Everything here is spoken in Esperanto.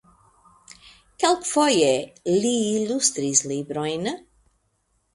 Kelkfoje li ilustris librojn.